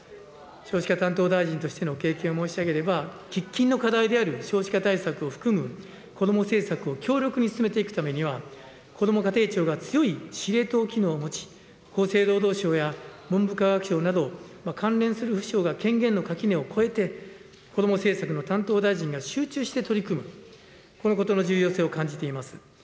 少子化担当大臣としての経験を申し上げれば、喫緊の課題である少子化対策を含む子ども政策を強力に進めていくためには、こども家庭庁が強い司令塔機能を持ち、厚生労働省や文部科学省など、関連する府省が権限の垣根を越えて、子ども政策の担当大臣が集中して取り組む、このことの重要性を感じています。